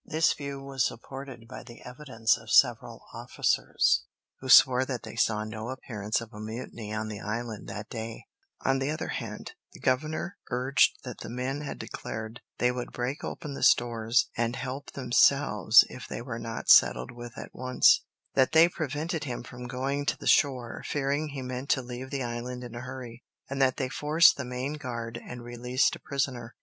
This view was supported by the evidence of several officers, who swore that they saw no appearance of a mutiny on the island that day; on the other hand, the governor urged that the men had declared they would break open the stores and help themselves if they were not settled with at once; that they prevented him from going to the shore, fearing he meant to leave the island in a hurry; and that they forced the main guard and released a prisoner.